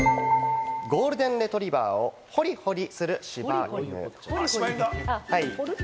ゴールデンレトリバーをホリホリするしば犬。